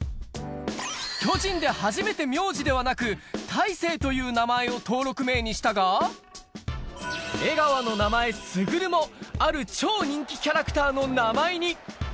巨人で初めて名字ではなく大勢という名前を登録名にしたが、江川の名前、卓も、ある超人気キャラクターの名前に。